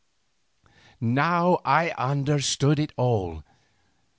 Now I understood it all.